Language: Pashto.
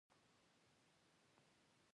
هارون د بهلول له خبرو نه ډېر متأثره شو.